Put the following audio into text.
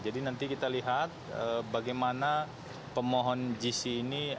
jadi nanti kita lihat bagaimana pemohon gc ini